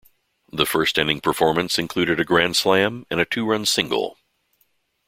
That first inning performance included a grand slam and a two-run single.